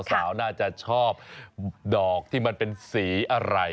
สาวน่าจะชอบดอกที่มันเป็นสีอะไร